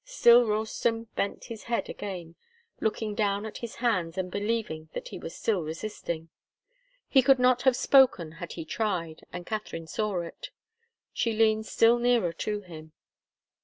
Still Ralston bent his head again, looking down at his hands and believing that he was still resisting. He could not have spoken, had he tried, and Katharine saw it. She leaned still nearer to him.